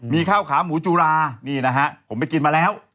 มีข้าวขาหมูจุรานี่นะฮะผมไปกินมาแล้ว